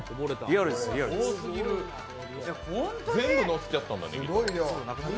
全部のせちゃうんだね。